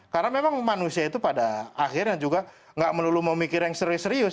karena memang manusia itu pada akhirnya juga nggak melulu memikir yang serius serius